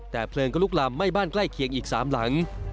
แต่เพลิงก็ลุกลามไหม้บ้านใกล้เคียงอีก๓หลัง